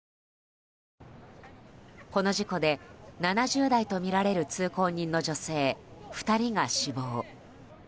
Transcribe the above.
この事故で７０代とみられる通行人の女性２人が死亡。